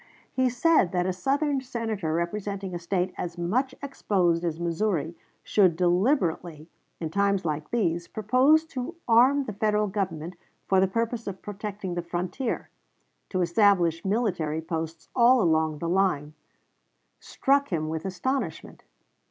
He said, that a Southern Senator representing a State as much exposed as Missouri should deliberately, in times like these, propose to arm the Federal Government for the purpose of protecting the frontier, to establish military posts all along the line, struck him with astonishment.